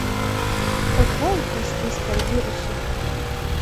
Tod vei, kas tys par virusu!